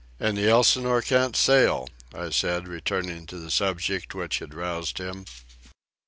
"And the Elsinore can't sail," I said, returning to the subject which had roused him.